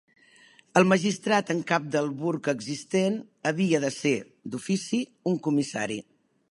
El magistrat en cap del burg existent havia de ser, "d'ofici", un comissari.